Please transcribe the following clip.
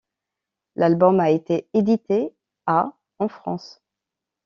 L'album a été édité à en France.